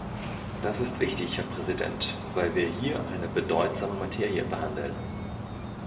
Das ist wichtig, Herr Präsident, weil wir hier eine bedeutsame Materie behandeln.